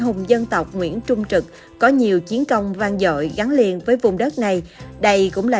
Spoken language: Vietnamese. hùng dân tộc nguyễn trung trực có nhiều chiến công vang dội gắn liền với vùng đất này đây cũng là